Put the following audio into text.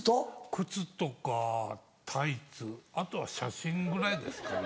靴とかタイツあとは写真ぐらいですかね。